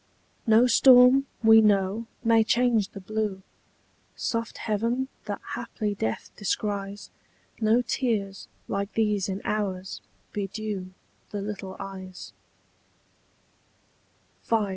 No storm, we know, may change the blue Soft heaven that haply death descries No tears, like these in ours, bedew The little eyes.